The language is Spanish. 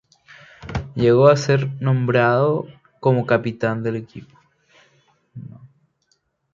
Llegó a ser nombrado como capitán del equipo.